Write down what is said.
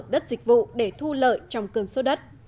đất dịch vụ để thu lợi trong cường số đất